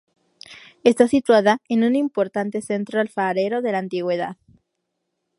Está situada en un importante centro alfarero de la antigüedad.